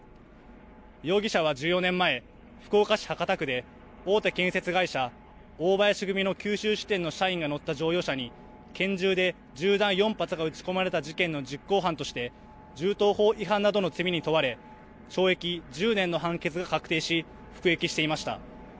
容疑者は１４年前、福岡市博多区で大手建設会社、大林組の九州支店の社員が乗った乗用車に拳銃で銃弾４発が撃ち込まれた事件の実行犯として銃刀法違反などの罪に問われ懲役１０年の判決が確定し服役していました。